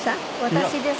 私です。